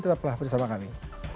tetaplah bersama kami